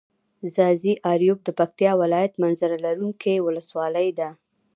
ځاځي اريوب د پکتيا ولايت منظره لرونکي ولسوالي ده.